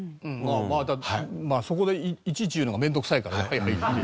だってまあそこでいちいち言うのが面倒くさいから「はいはい」っていう。